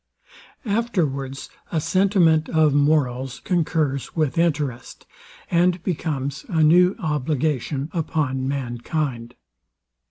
Afterwards a sentiment of morals concurs with interest, and becomes a new obligation upon mankind.